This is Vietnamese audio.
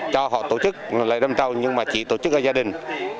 cho họ tổ chức lễ đâm châu nhưng mà chỉ tổ chức ở gia đình